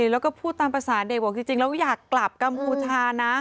แล้วก็พูดตามภาษาเด็กบอกจริงแล้วอยากกลับกัมพูชานะ